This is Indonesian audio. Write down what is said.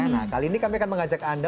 nah kali ini kami akan mengajak anda